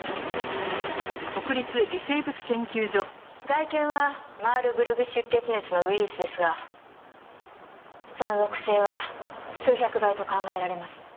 「ＢＡＲＰｏｍｕｍ」外見はマールブルグ出血熱のウイルスですがその毒性は数百倍と考えられます。